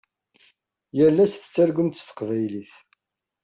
Yal ass tettargumt s teqbaylit.